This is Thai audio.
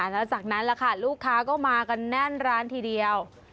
แล้วจากนั้นแหละค่ะลูกค้าก็มากันแน่นร้านทีเดียว